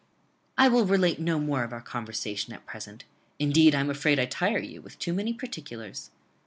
"I will relate no more of our conversation at present; indeed I am afraid I tire you with too many particulars."